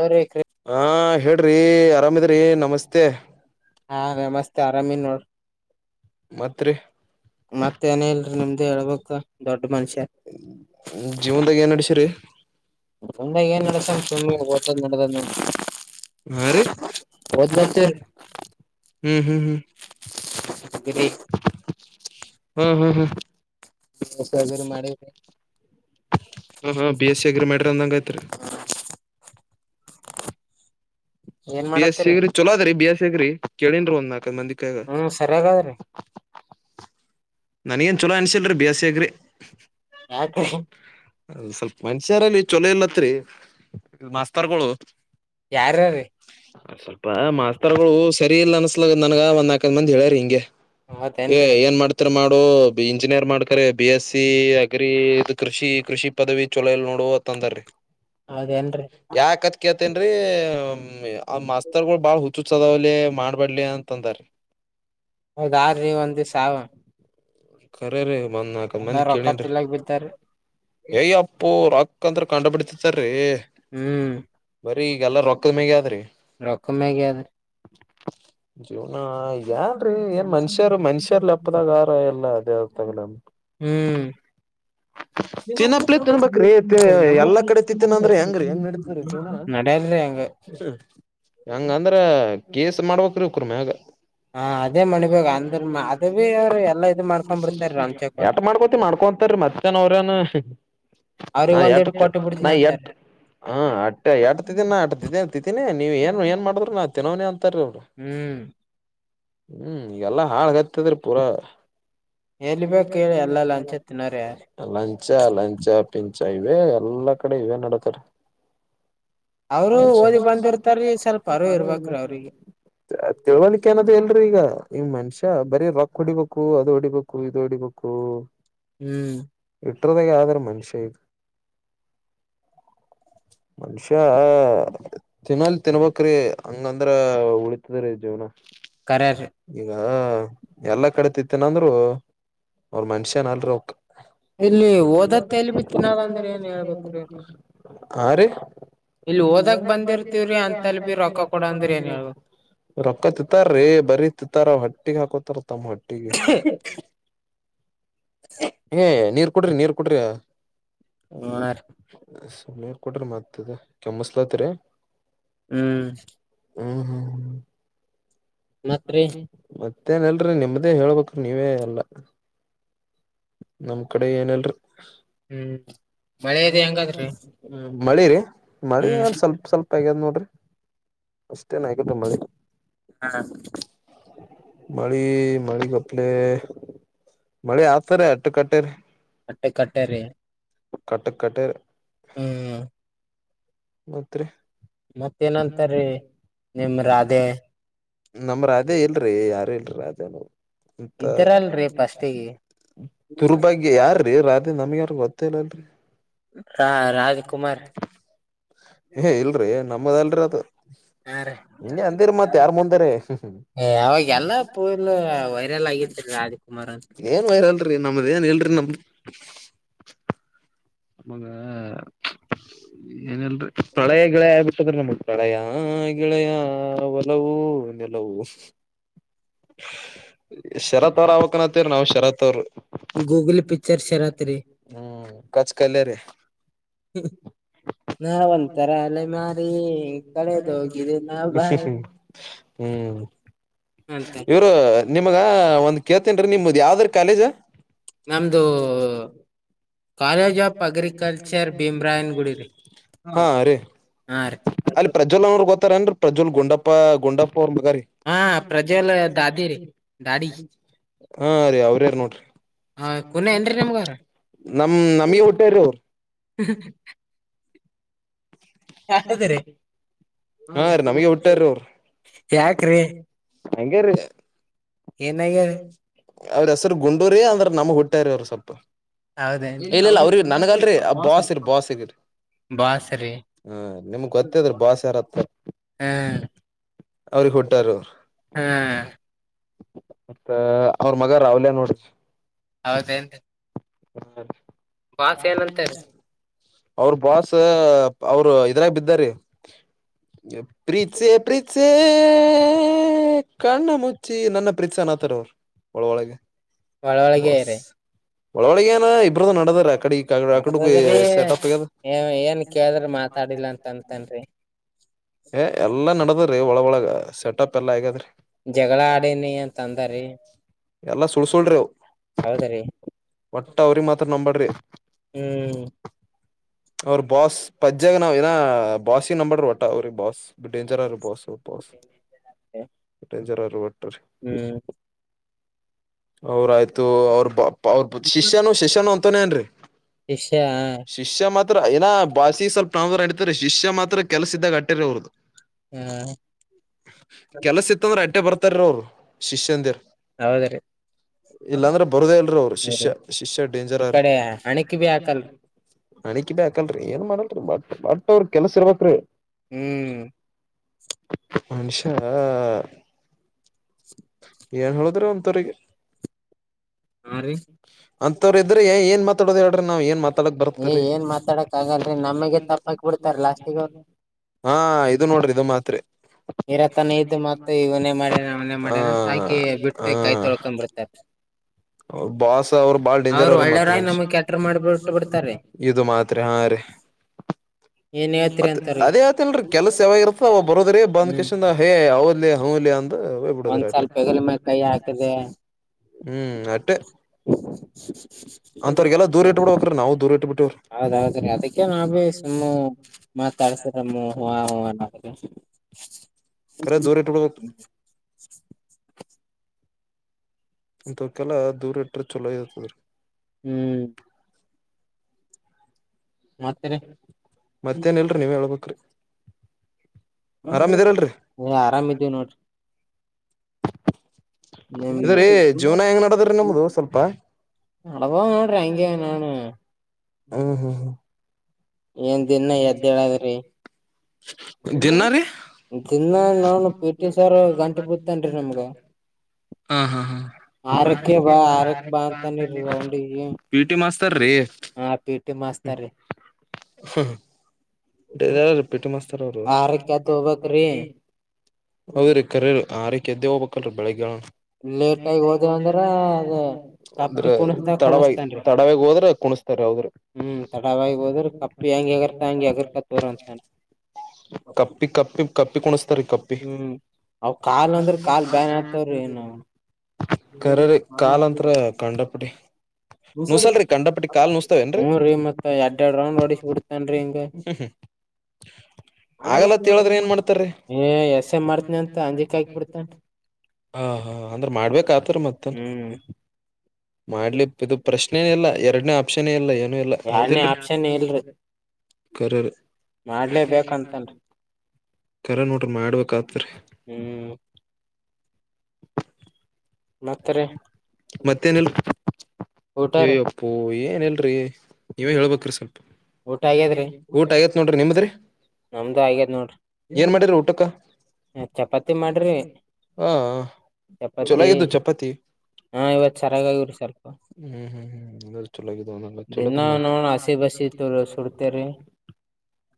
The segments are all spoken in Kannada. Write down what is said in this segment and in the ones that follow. ಅವ್ರಿ ಹಾ ಹೇಳ್ರಿ ಆರಾಮದ್ರಿ ನಮಸ್ತೆ ಹಾ ನಮಸ್ತೆ ಆರಾಮಇನಿ ನೋಡ್ ಮತ್ರಿ ಮತ್ತ ಏನ ಇಲ್ರರಿ ನಿಮ್ದು ಹೇಳ್ಬಕ್ ದೊಡ್ ಮನುಷ್ಯ ಜೀವನದಾಗ ಏನ್ ಅಡಸಿರಿ [unintelligible] ಹಾ ರೀ ಓದ್ಲತ್ತರಿ ಹ್ಮ್ ಹ್ಮ್ ಹ್ಮ್ ಗಿರಿ ಹ್ಮ್ ಹ್ಮ್ ಹ್ಮ್ [unintelligible] ಜನ ಮಾಡಿ ಹ ಹಾ ಬಿ ಎಸ್ ಸಿ ಅಗ್ರಿ ಮಾಡಿರಿ ಅಂದಂಗ ಯತ್ರಿ ಏನ್ ಬಿ ಎಸ್ ಮಾಡತ್ತರಿ ಸಿಗ್ರಿ ಚಲೋ ಅದರಿ ಬಿ ಎಸ್ ಸಿಗ್ರಿ ಕೇಳಿನ್ ಒಂದ್ ನಾಲ್ಕ ಐದು ಮಂದಿಕೈಯಾಗ ಹ್ಮ್ ಸರಿಯಾಗದ್ರಿ ನನ್ಗಏನ್ ಚಲೋ ಅನ್ಸಲ್ರಿ ಬಿ ಎಸ್ ಸಿ ಅಗ್ರಿ ಯಾಕ್ರಿ ಅ ಸ್ವಲ್ಪ ಮನುಷ್ಯರಲ್ಲಿ ಚೊಲೋ ಇಲ್ಲತ್ರಿ ಮಾಸ್ತಾರ್ಗಳು ಯಾರ ರೀ ಸ್ವಲ್ಪ ಮಾಸ್ತರ್ಗಳು ಸರಿ ಇಲ್ಲ ಅನ್ಸಲ ನನ್ಗ ಒಂದ್ ನಾಕಂದ್ ಮಂದಿ ಹೇಳ್ಯರಿ ಹಿಂಗೆ ಏ ಹೌದೇನ್ರಿ ಏನ್ ಮಾಡ್ತರ ಮಾಡ ನೋ ಇಂಜಿನಿಯರ್ ಮಾಡ್ಕರೆ ಬಿ ಎಸ್ ಸಿ ಅಗ್ರಿ ಇ ಕೃಷಿ ಕೃಷಿ ಪದವಿ ಚೊಲ ಇಲ್ ನೋಡು ತ್ತಂದರಿ ಹೌದೇನ್ರಿ ಯಾಕತ್ತ ಕೇಳ್ತೀನ್ರಿ. ಆ ಮಾಸ್ತರಗೋಳ ಬಾಳ ಹುಚ್ಚ ಹುಚ್ಚ ಅದಾವ್ಲೇ ಮಾಡಬಾಡ್ಲೆ ಅಂತ ಅಂದಾರ. ಹೌದಾ ರಿ ಒಂದಸಾವ ಕರರೀ ಒಂದ ನಾಕ ಮಂದಿ ರೊಕ್ಕ ಕೇಳಿನ್ರೀ ತಿಲ್ಲಕ್ ಬಿದ್ದಾರಿ ಯ ಅಪ್ಪು ರಕ್ ಕ್ಕಂದ್ರ ಕಂಡ ಪಟಿ ತಿತ್ತಾರಿ. ಹ್ಮ. ರೀ ಈಗೆಲ್ಲ ರೊಕ್ಕದ ಮೇಗ್ಯ ಅದ್ರೀ. ರೋಕ್ಕ ಮ್ಯಾಗೆದ. ಜ ಹ ಇದ ಯಾನರೀ ಏನ್ ಮನುಷ್ಯರ ಮನುಷ್ಯರ ಲೇಪ್ಪದಾಗ ಆರ ಎಲ್ಲ ಅದೇ ಅರ್ಥ ಆಗಲ್ಲ. ಹ್ಮ. [unintelligible] ತಿನ್ನಪ್ಲೆ ತಿನ್ಬೇಕ್ರೀ ಎಲ್ಲಾ ಕಡೆ ತಿತ್ತಿನ ಅಂದ್ರೆ ಹೆಂಗ್ರೀ ನಡ್ಯಾಲರಿ ಹಂಗ ಹಂಗ ಅಂದ್ರ ಕೇಸ್ ಮಾಡ್ಬೇಕ್ರೀ ಇವ್ಕರ ಮ್ಯಾಗ ಹಾ ಅದೇ ಮಣಿಬೇಗ ಅಂದ್ರ ಮ- ಅದ ಭಿ ಅವ್ರು ಎಲ್ಲಾ ಇದು ಮಾಡ್ಕೊಂಡ್ ಬಿಡ್ತಾರ ಲಂಚ [unintelligible] ಕೊಟ್ಟ ಯಟ್ಟ ಮಾಡ್ಕೋತಿ ಮಾಡ್ಕೋ ಕೊಂತಾರಿ ಮತ್ತನ ಅವರೇನ ನಾ ಅವ್ರಿಗ್ ಒಂದ್ ಇಟ್ ಕೊಟ್ಟ ಎಟ್ಟತ ನಾ ಬಿಡ್ತನಿ ಎಟ್ಟ ಅಂತಾರೀ ಹ ಅಟ್ಟ ಎಟ್ಟ ತಿತ್ತಿನ ನಾ ಆಟತಿದ್ದ ಅತಿ ನೇ ನೀವ ಏನ ಏನ ಮಾಡಿದ್ರು ನಾ ತಿನ್ನವನೇ ಅಂತಾರ ಅವ್ರ ಹ್ಮ್ ಹ್ಮ ಎಲ್ಲಾ ಹಾಳ್ಗತದರಿ ಪೂರ ಎಲ್ಲಿ ಬೇಕ್ [unintelligible] ಹೇಳಿ ಎಲ್ಲಾ ಲಂಚ ತಿನ್ನೋರ್ ಯಾರ್ ಲಂಚ ಲಂಚ ಪಿ ಚ ಇವೇ ಎಲ್ಲಾ ಕಡೆ ಇವೆ ನಡತರ ಅವರು ಓದಿ ಬ ತಿಳ್ವಳಕ್ಕೆ ಅನದ ಇಲ್ರಿ ಈಗ ಈಗ ಮನಸ್ಯ ಬರೀ ರೊಕ್ಕ ಹೊಡಿಬೇಕು ಅದು ಹೊಡಿಬೇಕು ಇದು ಹೊಡಿಬೇಕು. ಹ್ಮ. ಬಿಟ್ಟ್ರದ ಯಾದರ ಮನುಷ್ಯ ಇದ ಮನಷ್ಯ ತಿನ್ನಲ ತಿನ್ನಬೇಕ್ರಿ ಹಂಗಂದ್ರ ಉಳಿತದರಿ ಜೀವನ ಕರ್ಯಾರಿ ಈಗ ಹ ಎಲ್ಲಾ ಕಡೆ ತಿತ್ತನಂದರು ಅವ್ರ ಮನಸ್ಯ ಏನ್ ಅಲ್ರ ಅವಕ್ ಇಲ್ಲಿ ಓದತ್ ಎಲ್ಲಿ ಬಿ ತಿನ್ನಲ್ಲ ಅಂದ್ರ ಏನ್ ಹೇಳ್ಬೇಕ್ರೀ [unintelligible] ಆ ರಿ ಇಲ್ಲಿ ಓದಕ ಬಂದಿರ್ತಿವ್ರಿ ಅಂತಲ ಬಿ ರೊಕ್ಕ ಕೊಡಂದ್ರಿ ಏನ್ ಹೇಳಬೇಕ. ರೊಕ್ಕ ತಿತ್ತರೀ ಬರೀ ತಿತ್ತಾರ ಹೊಟ್ಟಿಗ ಹಾಕೊತಾರ ತಮ್ಮ ಹೊಟ್ಟಿಗ ನೀರ ಕುಡ್ರಿ ನೀರ ಕುಡ್ರಿ. ಹಾ ರಿ. ನೀರ ಕುಡೀರಿ ಮತ್ತದ ಕೆಮ್ಮಸ್ಲಾತಿರಿ. ಹ್ಮ. ಹ್ಮ ಹ್ಮ ಮತ್ರಿ ಹ್ಮ ಮತ್ತೇನಿಲ್ರಿ ನಿಮ್ದೇ ಹೇಳ್ಬೇಕ್ರ ನೀವೇ ಎಲ್ಲ ನಮ ಕಡೆ ಎನಿಲ್ರಿ. ಹ್ಮ ಮಳೆದ ಹೆಂಗಾದ್ರಿ ಮಳಿರಿ ಮಳಿ ಏನ್ ಸ್ವಲ್ಪ ಸ್ವಲ್ಪ ಆಗ್ಯಾದ ನೋಡ್ರಿ. ಅಷ್ಟೇನ್ ಆಗಿಲ್ತ್ ಮಳೆ. ಹಾ ಮಳಿ ಮಳಿಗಪ್ಲೆ ಮಳೆ ಆಗ್ತಾರೆ ಅಟ್ಟ ಕಟ್ಟೆರಿ ಅಟ್ಟಕಟ್ಟೆರಿ. ಕಟ್ಟಕಟ್ಟ ಮತ್ತರಿ ಮತ್ತ ಏನಂತಾರೀ ನಿಮ ರಾಧೆ ನಮ ರಾಧೇ ಇಲ್ರಿ ಯಾರ ಇಲ್ರ ರಾಧೆ ತ ಇದ್ರಲ್ರಿ ಫಸ್ಟಿಗೆ ತುರ್ಭಾಗ್ಯ ಯಾರೀ ರಾತ್ ಅ ನಮಗ್ಯಾರ ಗೊತ್ತೇ ಇಲ್ಲರಿ. ಆ ರಾಜಕುಮಾರ್ ಹೇ ಇಲ್ರಿ ನಮ್ಮದ ಅಲ್ರಿ ಅದ ಹಾ ರೀ ಹಿಂಂಗ ಅಂದಿರ್ ಮತ್ ಯಾರ್ ಮುಂದಾರ. ಅವಾಗ ಎಲ್ಲಾ ಪೂಲ್ [unintelligible] ವೈರಲ್ ಆಗಿತ್ರಿ ರಾಜ್ಕುಮಾರ್ ಅಂತ ಏನ್ ವೈರಲ್ ರಿ ನಮ್ದ ಏನ್ ಇಲ್ರಿ [unintelligible] ನ ನಮಗೆ [unintelligible] ಏನಲ್ರಿ ಪ್ರಳಯ ಗೆಳೆಯಾ ಆಗ್ಬಿಟ್ಟತ್ರ ನಮಗೆ ಪ್ರಳೆಯ ಗೆಳೆಯ ಒಲವು ನೆಲವೊ [inaudible] ಶರತ್ ಅವ್ರ ಅವಕನತ್ತೇರ ನಾವ್ ಶರತ್ ಅವ್ರ ಗೂಗಲ್ ಪಿಕ್ಚರ್ ಶರತ್ರಿ ಹ್ಮ್ ಕಚ್ಕಲ್ಲ ರೀ ನಾ ನಾವ ಒಂತರ ಒಥರ ಅಲೆ ಮಾರಿ ಮಾರೀ ಹೋಗ ಕಳೆದ ಕಳದು ಹೋಗಿದೆ ನಾ ಹ [unintelligible] ಬಾರಿ ಹ್ಮ್ ಅಂತ ಇವರು ನಿಮಗ ಒಂದ್ ಕೇಳ್ತೀನ್ ರಿ ನಿಮ್ದ ಯಾವ್ದ್ರ ಕಾಲೇಜ ನಮ್ದು college Maharaj of agriculture agriculture Bhimrayan ಗುಡಿ ರೀ ಭೀಮರಾಯನಗುಡಿ ಹಾ ರಿ ರೀ ಅಲ್ಲಿ ಪ್ರಜ್ವಲ್ನರು ಗೊತ್ತತಾರನ್ ಪ್ರಜ್ವಲ್ ಗುಂಡಪ್ಪ [unintelligible] ಹ ಪ್ರಜ್ವಲ್ ಹಾ ಪ್ರಜ್ವಲ್ ದಾದಿ ರೀ ದಾಡಿ [unintelligible] ಹಾ ರೀ ಅವ್ರಾರ ನೋಡ್ರಿ ಹ ಕುನ ಏನ್ರೀ [unintelligible] ನಿಮ್ಗಾರ ನಮ್ ನಮ್ಮಗೆ ಊಟ್ಟಾರಿ ಅವ್ರು ಹ್ಮ್ ಹಾ ರಿ ನಮಗೆ ಊಟ್ಟಾರ ಅವ್ರು ಯಾಕ್ರಿ ಹಂಗ ರೀ ಏನಾಗ್ಯದ ಅವ್ರ ಹೆಸರು ಗುಂಡ ್ರ [unintelligible] ರಿ ಅಂದ್ರೆ ನಮ್ ಹುಟ್ಟಾರ ಅವ್ರು ಸೊಪ ಹೌದೇನ್ರಿ ಇಲ್ಲ ಇಲ್ಲ ಅವ್ರಿ ನನ್ಗಲ್ರರಿ ಆ ಬಾಸ್ ಇರ ಇರ್ತಾವ. ಬಾಸ್ಗರಿಿ ಬಾಸ್ ರೀ ಹಾ ನಿಮ್ಗ್ ಗೊತ್ತಾದ್ರ ಭಾಷ ಯಾರಂತ. ಹ್ಮ್ ಅವ್ರಿಗೆ ಹುಟ್ಟಾರ ಅವರು ಹ್ಮ್ ಮತ್ತ ಅವ್ರ ಮಗ ರಾವುಲ ನೋಡಿ ಹೌದೇಂತ ರಿ ಹಾ [unintelligible] ಏನಂತ [unintelligible] ಅವ್ರ ಬಾಸ್ ಅವರು ಇದರಾಗ ಬಿದ್ದಾರಿ. ಪ್ರೀತ್ಸೆ ಪ್ರಿತ್ಸೆ ಕಣ್ಣ ಮುಚ್ಚಿ ನನ್ನ ಪ್ರೀತ್ಸೆ [unintelligible] ನ್ತಾರೆ ಅವ್ರು ಒಳ ಒಳಗೆ ಒಳವಳಗೆರೆ ಒಳೊಳಗ ಏನ್ ಇಬ್ಬರುದು ನಡದಾರ [unintelligible] ಕ ಅಕಡೆಬಿ ನಡದದ್ರಿ ಸೆಟಪ್ಪ ಏ ಏನ್ ಕೇಳಿದ್ರ ಮಾತಾಡಿಲ್ಲ ಅಂತ [unintelligible] ಅಂತನ್ರಿ ಏ ಎಲ್ಲಾ ನಡದ್ರಿ ಒಳ ಒಳಗ ಸೆಟಪ್ ಎಲ್ಲಾ ಹೇಗಾದ್ರಿ. ಜಗಳ ಆಡಿನಿ ಅಂತ ಅಂದಾರಿೀ. ಎಲ್ಲಾ ಸುಳ್ಸುಳ್ರಿವು. ಹೌದ ರೀ ಒಟ್ಟ ಅವ್ರಿ ಮಾತ್ರ ನಂಬಾಡ್ರಿ ಹ್ಮ್ [inaudible] ಅವ್ರ ಬಾಸ್ ಪಜ್ಜ್ಯಾಗ ನಾವ್ ಏ ಬಾಾಸಿ ನಂಬಡ್ರ ಒಟ ಅವ್ರ ಬಾಸ್ ಬಿ ಡೇಂಜರ್ ಅವ್ರಿ ಬಾಸ್ ಬಾಸ್ ಹ [unintelligible] ಹ [unintelligible] ಎಂಜರಾರರುಟ್ ಹ್ಮ್ ಅವ್ರಾಯ್ತು ಅವ್ರ ಬ ಅವ ಶಿಷ್ಯನು ಶಿಷ್ಯನು ಅಂತಾನೇ ಏನ್ರಿ ಶಿಷ್ಯ ಶಿಷ್ಯ ಮತ್ತ ಏನ ಬಾಾಸಿ ಸ್ವಲ್ಪ ಪ್ರ [unintelligible] ಅಡಿತತಾರೆ ಶಿಷ್ಯ ಮಾತ್ರ ಕೆಲ್ಸ ಇದ್ದಾಗ ಅಟ್ಟಿರ ಅವ್ರದದು ಹ ಕೆಲಸ ಇತ್ತಂದ್ರೆ ಅಟ್ಟೆ ಬರ್ತಾರ ಅವರು ಶಿಷ್ಯಂದಿರ್ ಹೌದ್ರಿ ಇಲ್ಲಾಂದ್ರೆ ಬರುದೇ ಇಲ್ರಿ ಅವರು ಶಿಷ್ಯ ಹೌದು ಶಿಷ್ಯ ಡೆೇಂಜರ್ ಈ ಅವ್ರೆ ಕಡೆ ಅಣಕಿ ಬಿ ಹಾಕಲ್ರಿ [unintelligible] ಹಾಕಲ್ರರಿ ಏನ್ ಮಾಡಲ್ರಿ ಬಟ್ ಬಟ್ ಅವ್ರ ಕೆಲ್ಸ ಇರ್ಬಕ್ರಿ ಹ್ಮ್ ಮನುಷ ಏನ್ ಹೇಳುದ್ರೆ ಅಂಥವರಿಗೆ ಹಾ ರೀ ಅಂತವ್ರ ಇದ್ರ ಏನ್ ಮಾತಾಡೋ ಹೇಳ್ರಿ ನಾವ್ ಏನ್ ಮಾತ ಏ ಬರತ್ತೆರಿ ಏನ್ ಮಾತಾಡಕ್ ಆಗಲ್ರಿ ನಮಗೆ ತಪ್ಪಾಕಿ ಬಿಡ್ತಾರ ಲಾಸ್ಟಿಗೆ ಹಾ ಇದು ನೋಡ್ರಿ ಇದು ಮಾತ್ರಿ ಇರತನ ಇದ್ದು ಮತ್ತೆ ಇವನೇ ಆ ಆಕೆ ಆ ಬಿಟ್ಟು ಕೈ ತೊಳ್ಕೊಬಿಡ್ತಾರೆ ಬಾಸ್ ಅವ್ರ ಬಾಳ್ ಡೇಂಜರ್ ಮತ್ತ್ ಒಳ್ಳೆಯವ್ರಾಗಿ ಮನುಷ್ಯ [inaudible] ನಮಗ್ ಕೆಟ್ಟರ್ ಮಾಡ್ಬಿಟ್ಟು ಬಿಡ್ತಾರ್ರಿ ಇದು ಮಾತ್ರಿ ಹಾ ರೀ ಏನ್ ಹೇಳ್ತೀರಿ ಮತ್ತೆ ಅಂತವ್ರಿಗೆ ಅದೇ ಹೇಳ್ತಿಲರಿ ಕೆಲಸ ಯಾವಾಗಿರುತ್ತ ಒಬ್ ಬರೋದ್ರೀ ಬಂದ್ ಹ್ಮ್ ಹೇ ಹೌದ ಲೇ ಹೂ ಲೇ ಅಂದು ಹೋಗ್ಬಿಡದು ಒಂದ್ ಅಟ್ಟೆ ಸ್ವಲ್ಪ [inaudible] ಹೆಗಲ ಮ್ಯಾಲ ಕೈ ಹಾಕದೆ ಹ್ಮ್ ಅಟ್ಟೆ ಅಂತವ್ರಿಗೆಲ್ಲ ದೂರ್ ಇಟ್ಬಿಡ್ಬೇಕ್ರ ನಾವು ದೂರ್ ಇಟ್ಬಿಟ್ಟವ್ರಿ ಹೌದ್ದ್ರೀ ಅದಕ್ಕೆ ನಾವ ಭೀ ಸುಮ್ಮು ಮಾತಾಡ್ಸರಮ್ಮ ಹೂ ಹಾ ಹೂ ಅನ್ನೋದು ಕರೆ ದೂರ ಇಟ್ಟಬಿಡ್ಬೇಕು [inaudible] ಅಂತಕಲ್ಲ ದೂರಿಟ್ರ ಚೊಲೋ ಇರ್ತದ್ರೀ ಹ್ಮ್ ಮತ್ರಿ ಮತ್ತೇನ್ ಇಲ್ರರಿ ನೀವ್ ಹೇಳ್ಬೇಕ್ರಿ ಆರಾಮ್ ಇದೀರಲ್ರರಿ ಹಾ ಆರಾಮ ಇದೀವಿ ನೋಡ್ರಿ ನಿಮ್ ಇದ್ರೀ ಜೀವನ ಹೆಂಗ್ ನಡದ್ರೀ ನಮ್ದ ಸ್ವಲ್ಪ ನಡದಾವೆ ನೋಡ್ರಿ ಹ್ಮ್ [unintelligible] ಹ್ಮ್ ಹ್ಮ್ ಏನ್ ದಿನ ಎದ್ದೇಲಾದ್ರಿ ದಿನ ರೀ ದಿನ [inaudible] ಪಿ ಟಿ ಸರ್ ಗಂಟ್ಟು ಬೀಳ್ತನ್ರಿ ನಮ್ಗ ಹಾ ಹಾ ಹಾ ಆರಕ್ಕೆ ಬಾ ಆರಕ್ಕೆ ಬಾ ಅಂತಾನಾ ಪಿ ಟಿ ಮಾಸ್ತರ್ ರೀ [unintelligible] ಹಾ ಪಿ ಟಿ ಮಾಸ್ತ ಹ್ಮ ರೀ [unintelligible] [unintelligible] ಪಿ ಟಿ ಮಾಸ್ತರ್ ಅವರು [inaudible] ಆರಕ್ಕೆ ಎದ್ದ್ ಹೋಗ್ಬೇಕ್ರಿ ಹೌದ ರೀ ಕರೆ ರೀ ಹಾ ಆರಕ್ಕೆ ಎದ್ದೆ ಹೋಗಬೇಕೆಂನ್ರೀ ಲೇಟ್ ಆಗಿ ಹೋದೇವ್ ಅಂದ್ರ ಅದ ಕಪ್ಪಿ ಕುಣಸ್ದಾಗ [unintelligible] ತಡವಾಗಿ ಕುಣಸ್ತಾನ್ರಿ ತಡವಾಗಿ ಹೋದ್ರೆ [unintelligible] ಹ್ಮ್ ತಡವಾಗಿ ಹೋದ್ರ ಕಪ್ಪಿ ಹೆಂಗ ಹೆಗರುತ್ತೆ ಹಂಗೆ ಹೆಗೃತ ಕುರು ಅಂತಾನೆ ಕಪ್ಪಿ ಕಪ್ಪಿ ಕಪ್ಪಿ ಕುಣಸ್ತಾರಿ ಕಪ್ಪಿ ಅವ ಕಾಲ್ ಅಂದ್ರೆ ಕಾಲ್ ಬ್ಯಾನ್ ಆತವ್ರ ಏನ ಕರೆ ರ್ರೀ ಕಾಲ ಅಂತ್ರ ಕಂಡಪಡಿ ನೂಸಲ್ರಿ ಕಂಡ ಹ್ಮ್ ರೀ ಮತ್ತ ಎರ್ಡ್ರಡ್ ರೌಂಡ್ ಹೊಓಡಿಸಿ ಬಿಡ್ತನ್ರಿ ಹಿಂಗ [inaudible] ಆಗಲ್ಲ ಅಂತ ಹೇಳಿದ್ರೆ ಏನ್ ಮಾಡ್ತಾ ರೀ ಏ ಎಸ್ ಎ ಮಾಡ್ತನಿ ಅಂತ ಅಂಜಿಕ್ ಹಾಕಿ ಬಿಡ್ತಾನ್ರಿ ಹಾ ಹಾ ಅಂದ್ರ ಮಾಡ್ಬೇಕ್ ಆತರ ಮತ್ತ ಹ್ಮ್ [inaudible] ಮಾಡ್ಲಿ ಇದು ಪ್ರಶ್ನೆೇ ಇಲ್ಲ ಎರಡನೇ ಆಪ್ಷನ್ ಇಲ್ಲ [unintelligible] ಯಾರ್ನೇ ಹೌದಿಲ್ರಿ ಆಪ್ಷನ್ [inaudible] ಕರೆ ರೀ ಮಾಡ್ಲೇಬೇಕು ಅಂತಾನ್ರಿ ಕರೆ ನೋಡ್ರಿ ಮಾಡ್ಬೇಕ ಹ್ಮ್ ಮತ್ತ ಮೇನಲ್ ಅಯ್ಯಪ್ಪು ಏನ ಇಲ್ರರಿ ನೀವೇ ಹೇಳ್ಬೇಕ್ರಿ ಸ್ವಲ್ಪ ಊಟ ಆಗ್ಯದ್ರಿ. ಊಟ ಆಗತ್ ನೋಡ್ರಿ ನಿಮದ್ರಿ ನಮ್ದು ಆಗ್ಯದ್ ನೋಡ್ರಿ ಏನ್ ಮಾಡಿದ್ರ ಊಟಕ್ಕ ಚಪಾತಿ ಚ ಮಾಡ್ರಿ ಹಾ ಚಪಾತಿ ಚಲಾಗಿದ್ದು ಚಪಾತಿ ಹಾ ಇವತ್ ಚೆರಾಗಾಗಿವ್ರಿ ಸ್ವಲ್ಪ ಹ್ಮ್ ಹ್ಮ್ ಹ್ಮ್ ಚಲ ಚ ದಿನಾ ನೋಡ್ ಹಸಿ ಬಸಿ ಸುಡ್ತೇವ್ರಿ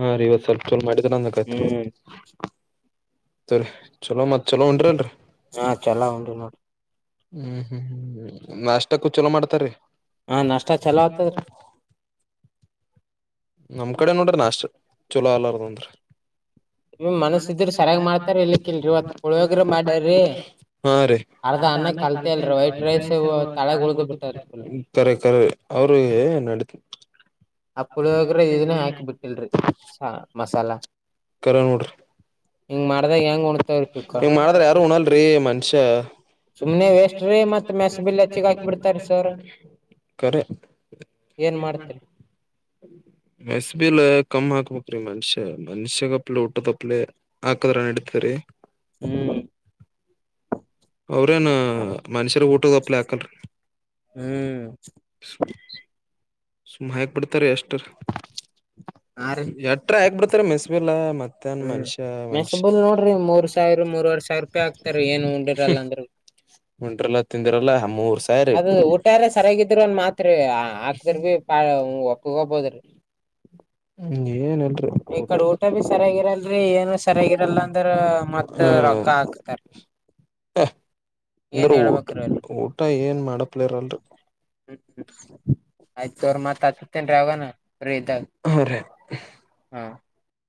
ಹಾ ರೀ ಇವತ್ ಸ್ವಲ್ಪ ಚೋಲ ಮಾಡಿದ ನಂದಕೈತ್ರಿ ಹ್ಮ್ ಸರಿ ಚಲೋ ಮತ್ತ ಚಲೋ ಉಂಟ್ರನ್ ಹಾ ಚಲೋ ಉಂಡ್ರಿ ನೋಡ್ರಿ ಹ್ಮ್ ಹ್ಮ್ ಹ್ಮ್ ನಾಷ್ಟಕ್ಕೂಚಲೋ ಮಾಡ್ತಾರೀ ಹಾ ನಾಷ್ಟಾ ಚಲತ ನಮ್ ಕಡೆ ನೋಡ್ರಿ ನಾಶ ಚಲೋ ಅಲಾರದಂದ್ರ ನಿಮ್ ಮನಸ್ ಮನ ಇದ್ರ ಸರಿಯಾಗ್ ಮಾಡ್ತಾರ ಸಾಗ ಇಲಿಕ್ಕಿಲ್ರಿ ಇವತ್ ಪುಳಿಯೋಗ್ರೆ ಮಾಡ್ಯಾರಿ ಅರ್ಧ ಅನ್ನ ಕಲ್ತೆ ಅಲ್ರಿ ಕಲ್ತಲ್ ವೈಟ್ ರೈಸ್ ತಳಗ್ ತಡ ಉಳ್ದು ಬಿಟ್ಟಾರಿ ಫುಲ್ ಉ ಅವ್ರ ನಡತ ಆ ಪುಳಿಯೋಗ್ರೆ ಇದನ್ನೇ ಹಾಕಿ ಬಿಟ್ಟಿಲ್ರಿ ಮಸಾಲಾ ಕಟ ಹಿಂಗ್ ಮಾಡ್ದಾಗ ಹೆಂಗ್ ಉಣ್ತಾವ್ರಿ ಚುಕ್ಕ ಹಂಗ ಮಾಡದ್ರ ಯಾರು ಉಣಲ್ರಿ ಮನ್ಷ್ಯ ಸುಮ್ನೆ ಇನ್ನೇ ವೇಸ್ಟ್ ವೇಸ್ ರೀ ಮತ್ ಮತ್ತೆ ಮೆಸ್ ಬಿಲ್ ಮೆಸಲ್ ಹೆಚ್ಚಿಗ್ ಹೆಚ್ಚಿಗೆ ಹಾಕಿ ಬಿಡ್ತಾರಿ ಬಿಡ್ತರಿ ಸರ್ ಕಖರೆ ಏನ್ ಮಾಡ್ತರಿ ಮೆಸ್ಬಿಲ್ಲ ಕಮ್ಮ್ ಹಾಕ್ಬೇಕ್ರೀ ಮನುಷ್ಯ ಮನ್ಷ್ಯಗಪ್ಲೆ ಊಟದಪ್ಲೆ ಹಾಕದ್ರ ನ ಇಡ್ತರಿ ಹ್ಮ್ ಅವ್ರೇನ ಮನುಷ್ಯರ ಊಟದಪ್ಲಿ ಯಾಕನ್ಿ ಹ್ಮ್ ಸುಮ ಹಾಕ್ ಬಿಿಡ್ತಾರ ಎಷ್ಟ್ರ ಹಾ ರೀ ಎಟ್ರ ಹಾಕ್ಬಿಡ್ತಾರ ಮೆಸ್ವೆಲ್ಲ ಮತ್ತ ಮನ್ ಹ್ಮ್ ಮನುಷ್ಯ ಮ ಮೆಸಬುಲ್ ನೋಡ್ರಿ ಮೂ ಮೂರ್ ಸಾವಿರ ಮೂರ್ವರ್ ಮೂರ್ರಡ್ ಸಾವಿರ ರೂಪಾಯಿ ಆಗ್ತ ಹಾಕ್ತಾರ ಏನ್ ಏನು ಉಂಡಿರಲ್ಲ ಅಂದ್ರ ಉಂಡ್ರಲ್ಲ ತಿಂದಿರಲ್ಲ ಮೂರ್ ಅದು ಊಟ ಊಟಾರ ಸರಾಗಿದ್ರ ಮಾತ್ರ ಅಷ್ಟ ಾ ಒಪ್ಪಗ ಹೋಗಬೋದ್ರೀ ಹ್ಮ ಹ ಏನನ್ ಕಡೆ ಊಟ ಬಿ ಸರಿಯಾಗಿರಲ್ರಿ ಏನು ಸರಿಯಾಗಿರಲ್ಲ ಅಂದ್ರ ರಕ್ಕ ಹಾಕ್ತಾರೆ ಅಂದ್ರ ಊಟ ಹೇಳ್ಬೇಕ್ರಿ ಅವ್ರಿ ಊಟ ಏನ್ ಮಾಡಪ್ಲರಲ್ರಿ ಹ ಆಯ್ತು ತೋ ಮ ತತತನ ರಾವಾನ ಬ ಇತಾಗ ಇರಲ್ರಿ. ಹಾ